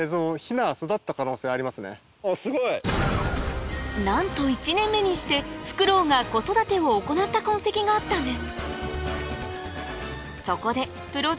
すごい！なんと１年目にしてフクロウが子育てを行った痕跡があったんです